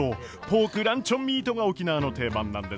ポークランチョンミートが沖縄の定番なんです。